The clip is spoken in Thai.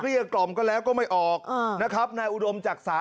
กล่อมก็แล้วก็ไม่ออกนะครับนายอุดมจักษา